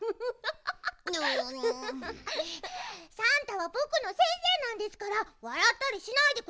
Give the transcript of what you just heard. さんたはぼくのせんせいなんですからわらったりしないでください。